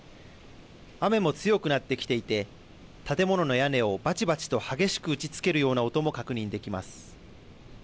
雨も強くなってきていて、建物の屋根をばちばちと激しく打ちつけるような音も確認できます。